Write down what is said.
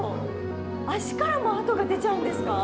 足からもハトが出ちゃうんですか？